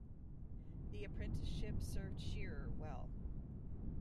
The apprenticeship served Shearer well.